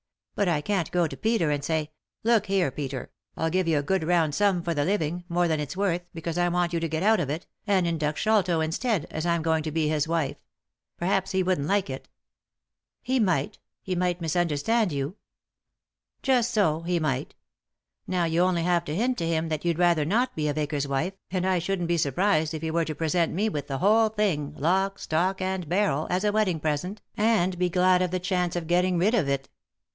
But I can't go to Peter and say, 'Look here, Peter, I'll give you a good round sum for the living, more than it's worth, because I want you to get out of it, and induct Sholto instead, as I'm going to be his wife.' Perhaps he wouldn't like it." " He might — he might misunderstand you." 138 3i 9 iii^d by Google THE INTERRUPTED KISS " Just so ; be might. Now you only have to faint to him that you'd rather not be a vicar's wife, and I shouldn't be surprised if he were to present me with the whole thing, lock, stock, and barrel, as a wedding present, and be glad of the chance of getting rid of it.